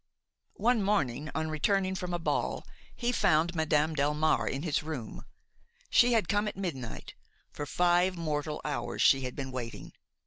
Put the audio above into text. One morning, on returning from a ball, he found Madame Delmare in his room. She had come at midnight; for five mortal hours she had been waiting!